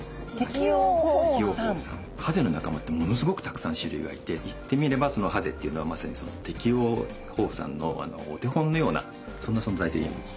ハゼの仲間ってものすごくたくさん種類がいて言ってみればハゼっていうのはまさにその適応放散のお手本のようなそんな存在といえます。